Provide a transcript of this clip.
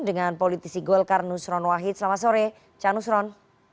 dengan politisi golkar nusron wahid selamat sore ca nusron